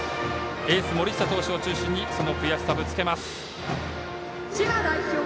エース森下投手を中心にその悔しさ、ぶつけます。